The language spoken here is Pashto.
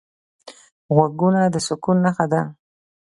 غوږونه د سکون نښه ده